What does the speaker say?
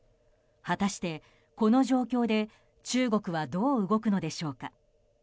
果たして、この状況で中国はどう動くのでしょうか。